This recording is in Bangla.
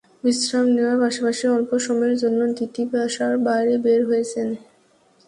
বিশ্রাম নেওয়ার পাশাপাশি অল্প সময়ের জন্য দিতি বাসার বাইরে বের হয়েছেন।